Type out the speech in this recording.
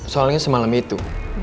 soalnya semalam itu